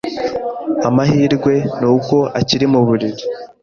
Amahirwe nuko akiri muburiri.